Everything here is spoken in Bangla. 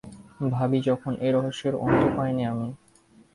ভাবি যখন, এ রহস্যের অন্ত পাই নে আমি।